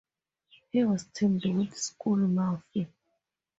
He was teamed with Skull Murphy.